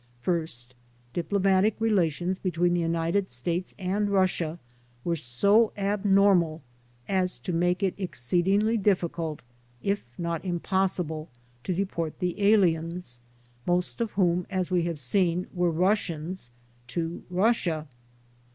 First: Diplomatic relations between the United States and Russia were so abnormal as to make it ex ceedingly difficult, if not impossible, to deport the aliens, most of whom as we have seen were Russians, to Russia.